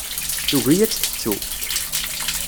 Tugi ad tt-tettu.